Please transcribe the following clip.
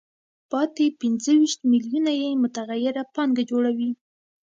پاتې پنځه ویشت میلیونه یې متغیره پانګه جوړوي